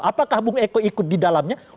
apakah bung eko ikut di dalamnya